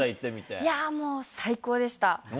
いや、もう最高でした。